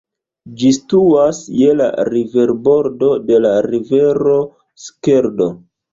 Ĝi situas je la riverbordo de la rivero Skeldo.